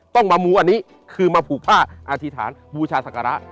ต้องมามูอันนี้คือมาผูกผ้าอธิษฐานบูชาศักระ